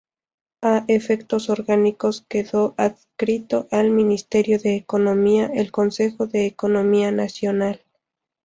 A efectos orgánicos quedó adscrito al ministerio de Economía el Consejo de Economía Nacional.